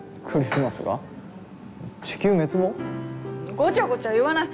ごちゃごちゃ言わない。